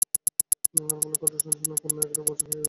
ইহার ফলে সমাজ কঠোরশাসনে পূর্ণ ও একরূপ অচল হইয়া দাঁড়াইল।